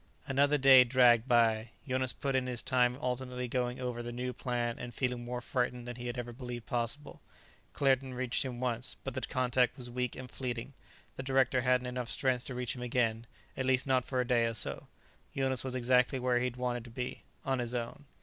Another day dragged by. Jonas put in his time alternately going over the new plan and feeling more frightened than he had ever believed possible. Claerten reached him once, but the contact was weak and fleeting; the director hadn't enough strength to reach him again, at least not for a day or so. Jonas was exactly where he'd wanted to be: on his own.